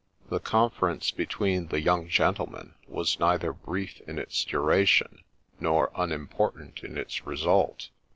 The conference between the young gentlemen was neither brief in its duration nor unimportant in its result.